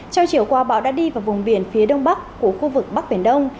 trong chiều qua bão đã đi vào vùng biển phía đông bắc của khu vực bắc biển đông